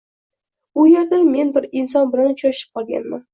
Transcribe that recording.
U yerda men bir inson bilan uchrashib qolganman.